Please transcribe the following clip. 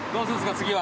次は。